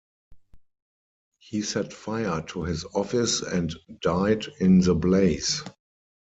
He set fire to his office and died in the blaze.